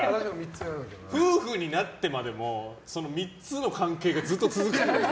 夫婦になってまでも３つの関係がずっと続くんだ。